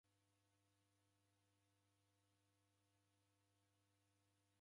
Kaba makofi upoilo